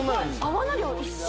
泡の量一緒。